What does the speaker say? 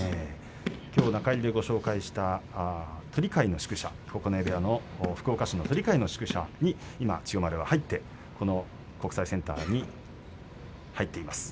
きょう中入りでご紹介した鳥飼の宿舎福岡市の鳥飼の宿舎に今千代丸は入ってこの国際センターに入っています。